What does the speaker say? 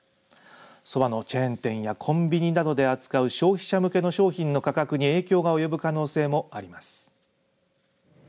そばのチェーン店やコンビニなどで扱う消費者向けの商品の価格に影響が及ぶ可能性もあります。